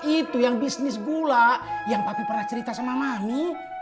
itu yang bisnis gula yang papi pernah cerita sama mami